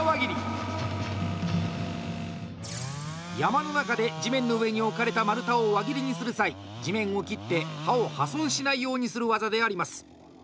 山の中で地面の上に置かれた丸太を輪切りにする際地面を切って刃を破損しないようにする技であります。